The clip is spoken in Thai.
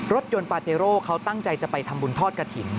รถยนต์ปาเจโร่เขาตั้งใจจะไปทำบุญทอดกระถิ่น